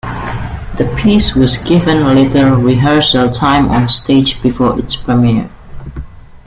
The piece was given little rehearsal time on stage before its premiere.